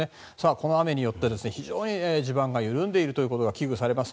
この雨によって非常に地盤が緩んでいるということが危惧されます。